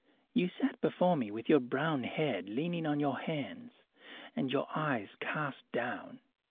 You sat before me with your brown head leaning on your hands and your eyes cast down.